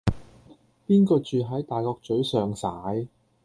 邊個住喺大角嘴尚璽